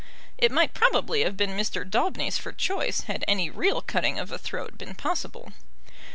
It might probably have been Mr. Daubeny's for choice, had any real cutting of a throat been possible.